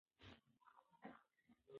ډنکر هلک خلک د خیرخانې هوټل ته په لوړ غږ بلل.